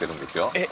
えっ！